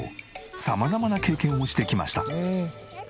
様々な経験をしてきました。